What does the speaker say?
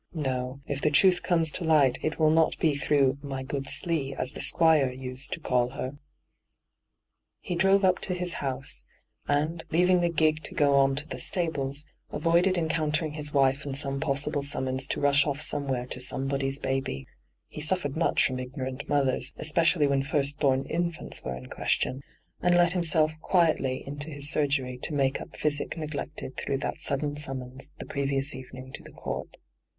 No, if the truth comes to light it will not be through " my good Slee," as the Squire used to call her.' D,gt,, 6rtbyGOOglC ENTRAPPED 51 He drove up to his house, and, leaving the gig to go on to the stables, avoided encounter ing his wife and some possible summons to rush off somewhere to somebody's baby — he suffered much from ignorant mothers, especially when first bom infanta were in question — and let himself quietly into his surgery to make up physic Delected through that sudden summons the previous evening to the Court.